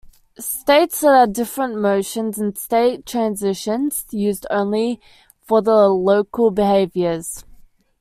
States are the different motions and state transitions used only for the local behaviors.